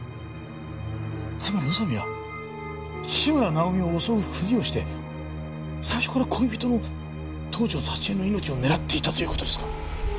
つまり宇佐美は志村尚美を襲うふりをして最初から恋人の東条沙知絵の命を狙っていたという事ですか！？